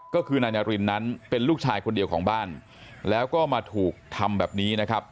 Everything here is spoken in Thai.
ก็คือนายนารินนั้นเป็นลูกชายคนเดียวของบ้านแล้วก็มาถูกทำแบบนี้นะครับ